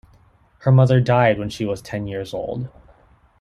Her mother died when she was ten years old.